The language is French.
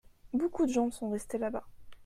Beaucoup de gens sont restés là-bas.